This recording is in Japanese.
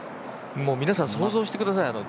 もう、皆さん想像してください。